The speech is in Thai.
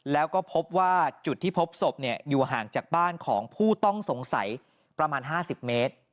แล้วก็พบว่าจุดที่พบศพอยู่ห่างจากบ้านของผู้ต้องสงสัยประมาณ๕๐เมตร